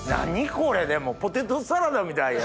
これでもポテトサラダみたいやん。